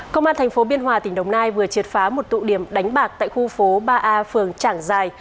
công an tp biên hòa tỉnh đồng nai vừa triệt phá một tụ điểm đánh bạc tại khu phố ba a phường trảng giài